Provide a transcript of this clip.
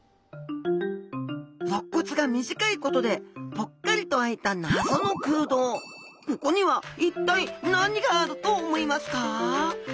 ろっ骨が短いことでぽっかりと空いたここには一体何があると思いますか？